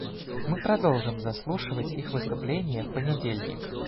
Мы продолжим заслушивать их выступления в понедельник.